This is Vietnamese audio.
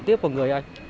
tiếp vào người anh